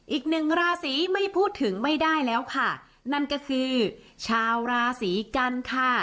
อีกหนึ่งราศีไม่พูดถึงไม่ได้แล้วค่ะนั่นก็คือชาวราศีกันค่ะ